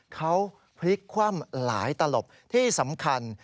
เขาพลิกคว่ำหลายตลบที่สำคัญ